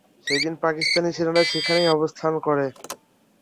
সেদিন পাকিস্তানি সেনারা সেখানেই অবস্থান করে।